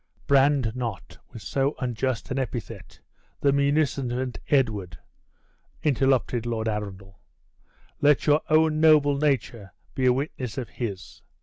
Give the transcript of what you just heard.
"Brand not with so unjust an epithet the munificent Edward!" interrupted Lord Arundel; "let your own noble nature be a witness of his.